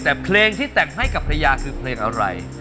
แต่เพลงที่แต่งให้กับภรรยาคือเพลงอะไร